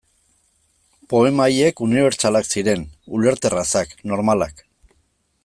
Poema haiek unibertsalak ziren, ulerterrazak, normalak.